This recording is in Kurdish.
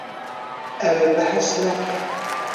Ew ê behs neke.